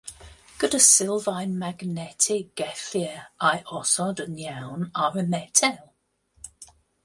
Gyda Sylfaen Magnetig gellir ei osod yn iawn ar y metel.